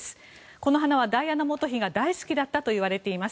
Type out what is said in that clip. この花はダイアナ元妃が大好きだったといわれています。